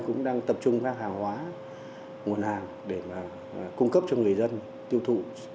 cũng đang tập trung các hàng hóa nguồn hàng để cung cấp cho người dân tiêu thụ